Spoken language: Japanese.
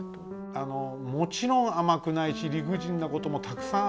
あのもちろん甘くないし理不尽なこともたくさんあるし。